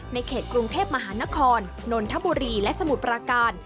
ในเขตกรุงเทพมหานครนนทบุรีและสมุทรปราการ